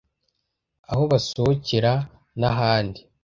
aho basohokera n’ahandi